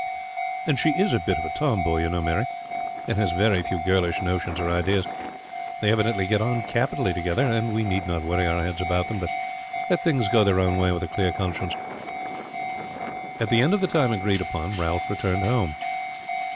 "She is a bit of a tomboy, you know, Mary, and has very few girlish notions or ideas. They evidently get on capitally together, and we need not trouble our heads about them but let things go their own way with a clear conscience." At the end of the time agreed upon Ralph returned home.